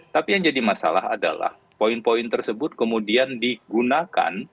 tapi yang jadi masalah adalah poin poin tersebut kemudian digunakan